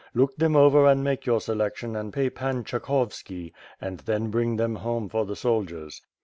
Look them over and make your selection and pay Pan Tshakovski, and then bring them home for the soldiers.